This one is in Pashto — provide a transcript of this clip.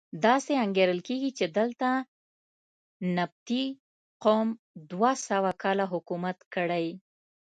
داسې انګېرل کېږي چې دلته نبطي قوم دوه سوه کاله حکومت کړی.